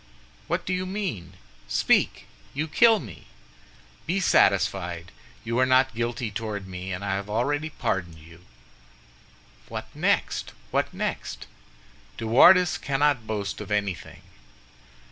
"What do you mean? Speak! you kill me." "Be satisfied; you are not guilty toward me, and I have already pardoned you." "What next? what next?" "De Wardes cannot boast of anything."